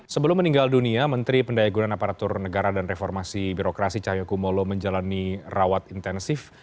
sebelum meninggal dunia menteri pendayagunan aparatur negara dan reformasi birokrasi cahaya kumolo menjalani rawat intensif